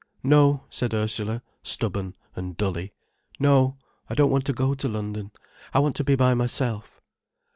"No," said Ursula, stubbornly and dully. "No, I don't want to go to London, I want to be by myself."